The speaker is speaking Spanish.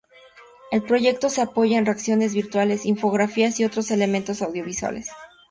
El proyecto se apoya en recreaciones virtuales, infografía y otros elementos audiovisuales.